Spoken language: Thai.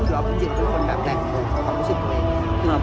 เพราะคุณจริงก็คือคนแบบแหล่งกลุ่มของผู้ชนตัวเอง